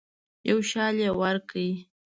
یو شال یې ورکړ.